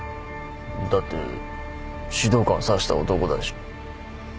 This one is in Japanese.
だって指導官刺した男だし。